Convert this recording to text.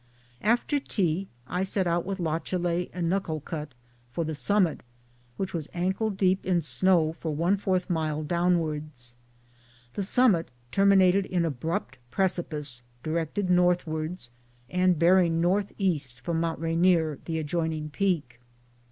After tea I set out with Lachalet and Nuckalkut for the summit, which was ankle deep with snow for ^ mile downwards. The summit terminated in abrupt pre cipice directed northwards and bearing N. E. from Mt. Rainier, the adjoining peak.